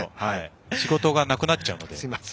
仕事がなくなっちゃうので。